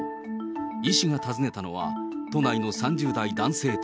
医師が訪ねたのは都内の３０代男性宅。